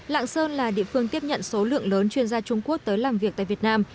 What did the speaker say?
lạng sơn là địa phương tiếp nhận số lượng lớn chuyên gia trung quốc tới làm việc tại việt nam